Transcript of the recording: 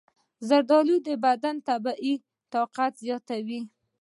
زردآلو د بدن طبیعي طاقت زیاتوي.